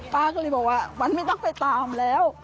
ป้าก็เลยบอกว่ามันไม่ต้องไปตามแล้ว